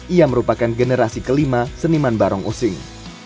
ia merupakan generasi kelima seniman barong using